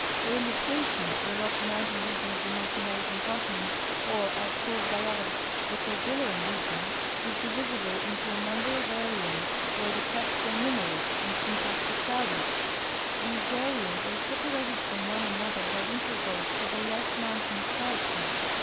For illustration, the Rocky mountain region of the North American continent, or, as called by others, the cordilleran region, is divisible into a number of areas where the crests are numerous and compactly crowded. These areas are sepa rated from one another by intervals of a less mountainous character.